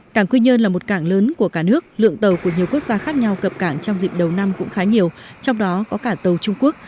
cảng quy nhơn là một cảng lớn của cả nước lượng tàu của nhiều quốc gia khác nhau cập cảng trong dịp đầu năm cũng khá nhiều trong đó có cả tàu trung quốc